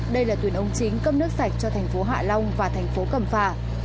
đây là tuyến ống chính cấp nước sạch cho thành phố hạ long và thành phố cầm phà